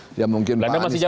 belanda masih jauh ya